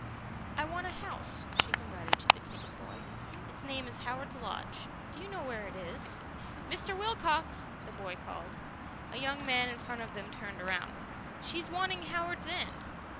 "I want a house," she confided to the ticket boy. "Its name is Howards Lodge. Do you know where it is?" "Mr. Wilcox!" the boy called. A young man in front of them turned round. "She's wanting Howards End."